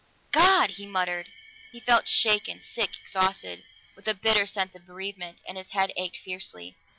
"God!" he muttered. He felt shaken, sick, exhausted, with a bitter sense of bereavement, and his head ached fiercely.